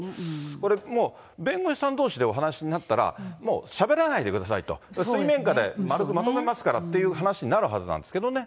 これ、もう、弁護士さんどうしでお話になったら、もう、しゃべらないでくださいと、水面下で丸くまとめますからっていう話になるはずなんですけどね。